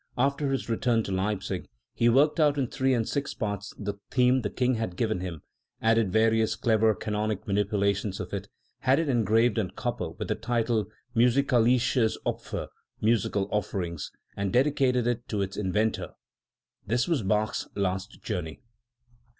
After his return to Leipzig he worked out in three and six parts the theme the King had given him, added various clever canonic manipulations of it, had it engraved on copper with the title of Musikalisches Opf&r (Musical Offering) and dedicated it to its inventor. This was Bach's last journey."